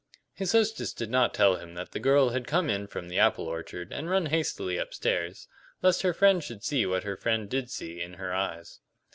His hostess did not tell him that the girl had come in from the apple orchard and run hastily upstairs, lest her friend should see what her friend did see in her eyes.